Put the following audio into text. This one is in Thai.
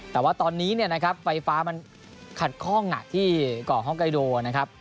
แต่ว่าตอนนี้เนี่ยนะครับไฟฟ้ามันขัดข้องที่เกาะฮอกไกโดนะครับ